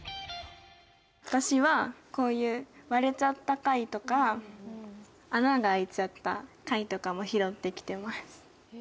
私は、こういう割れちゃった貝とか穴が開いちゃった貝とかも拾ってきてます。